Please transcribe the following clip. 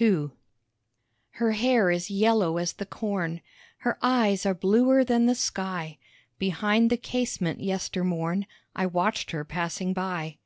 II Her hair is yellow as the corn, Her eyes are bluer than the sky; Behind the casement yester morn, I watched her passing by.